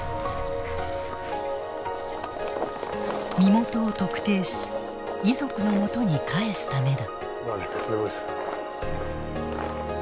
身元を特定し遺族のもとに返すためだ。